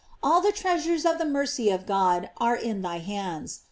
All the treasures of the mercy of God are in thy hands.